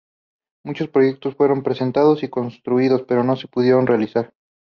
Muchos proyectos fueron presentados, y construidos pero no se pudieron realizar.